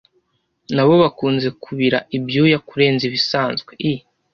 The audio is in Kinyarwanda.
na bo bakunze kubira ibyuya kurenza ibisanzwe i